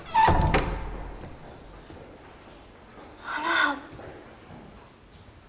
あら。